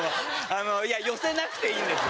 いや寄せなくていいんですよ。